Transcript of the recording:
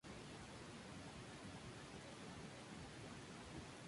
Este enorme espiral se encuentra localizado a un costado de la Av.